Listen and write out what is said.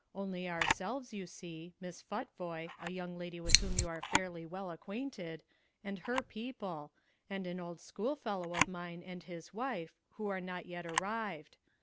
"Only ourselves, you see, Miss Futvoye, a young lady with whom you are fairly well acquainted, and her people, and an old schoolfellow of mine and his wife, who are not yet arrived.